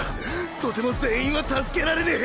とても全員は助けられねぇ。